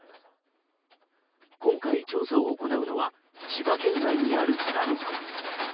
今回、調査を行うのは千葉県内にあるダム湖。